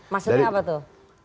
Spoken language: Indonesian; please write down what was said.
maksudnya apa tuh